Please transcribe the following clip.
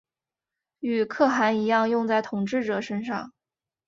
与可汗一样用在统治者身上。